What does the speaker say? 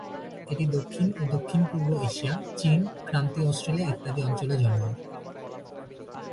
এটি দক্ষিণ ও দক্ষিণ-পূর্ব এশিয়া, চীন, ক্রান্তীয় অস্ট্রেলিয়া ইত্যাদি অঞ্চলে জন্মে।